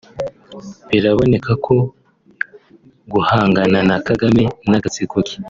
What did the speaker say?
biranaboneka ko guhangana na Kagame n’agatsiko ke